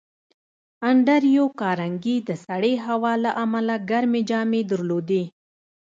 انډریو کارنګي د سړې هوا له امله ګرمې جامې درلودې